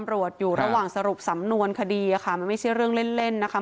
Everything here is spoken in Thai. ตำรวจอยู่ระหว่างสรุปสำนวนคดีค่ะมันไม่ใช่เรื่องเล่นนะคะ